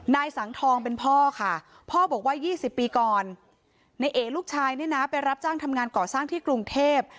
นายสังทองเป็นพ่อค่ะพ่อบอกว่า๒๐ปีก่อนในเอลูกชายเนี่ยนะไปรับจ้างทำงานก่อสร้างที่กรุงเทพ